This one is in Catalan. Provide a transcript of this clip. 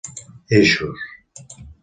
Eixos: